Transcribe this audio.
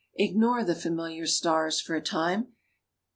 Ignore the familiar stars for a time.